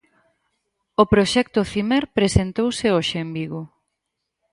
O proxecto Ocimer presentouse hoxe en Vigo.